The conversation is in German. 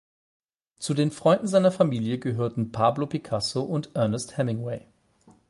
Zu den Freunden seiner Familie gehörten Pablo Picasso und Ernest Hemingway.